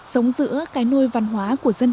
sống giữa cái nôi văn hóa của dân tộc